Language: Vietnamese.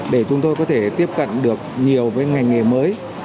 để chúng tôi có thể tiếp cận được nhiều với ngành nghề mới